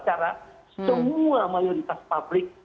cara semua mayoritas pabrik